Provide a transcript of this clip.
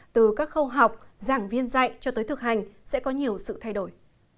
từ các khâu học giảng viên dạy cho tới thực hành sẽ có nhiều sự thay đổi